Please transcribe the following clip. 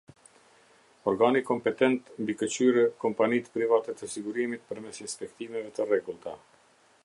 Organi kompetent mbikëqyrë kompanitë private të sigurimit përmes inspektimeve të rregullta.